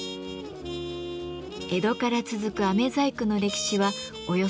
江戸から続く飴細工の歴史はおよそ２００年。